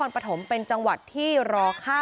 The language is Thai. เพื่อสมัยวัฒนา